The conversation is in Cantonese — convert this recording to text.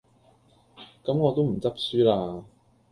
咁我都唔執輸喇